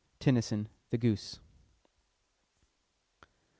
TENNYSON: The Goose.